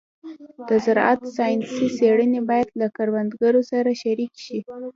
د زراعت ساینسي څېړنې باید له کروندګرو سره شریکې شي.